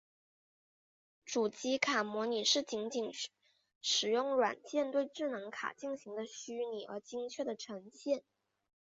主机卡模拟是仅仅使用软件对智能卡进行的虚拟而精确的呈现。